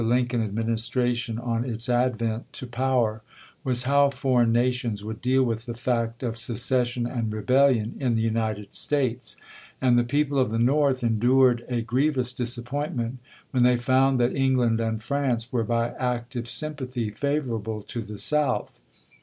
V_/ Lincoln Administration on its advent to power was how foreign nations would deal with the fact of secession and rebellion in the United States; and the people of the North endured a grievous disappointment when they found that England and France were by active sympathy favorable to the South.